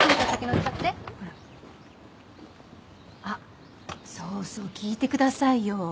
あっそうそう聞いてくださいよ。